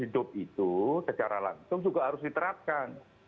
hidup itu secara langsung juga harus diterapkan